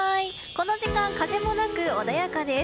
この時間は風もなく穏やかです。